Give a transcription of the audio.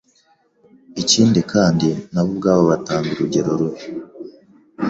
ikindi kandi nabo ubwabo batanga urugero rubi